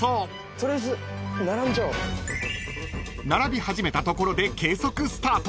［並び始めたところで計測スタート］